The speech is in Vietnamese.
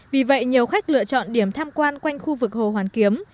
vì vậy nhiều khách lựa chọn điểm tham quan quanh khu vực hồ hoàn kiếm